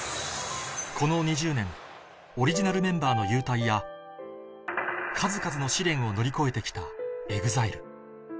この２０年オリジナルメンバーの勇退や数々の試練を乗り越えて来たＥＸＩＬＥ